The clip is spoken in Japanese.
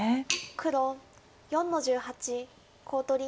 黒４の十八コウ取り。